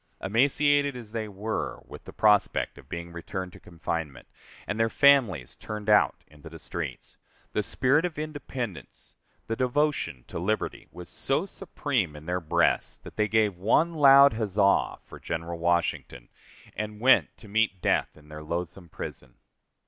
Emaciated as they were, with the prospect of being returned to confinement, and their families turned out into the streets, the spirit of independence, the devotion to liberty, was so supreme in their breasts, that they gave one loud huzza for General Washington, and went to meet death in their loathsome prison.